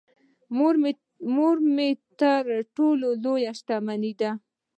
مور مې تر ټولو لويه شتمنی ده .